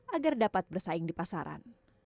agar dapat bersaing di pasaran